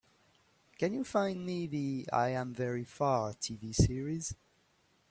Can you find me the I Am Very Far TV series?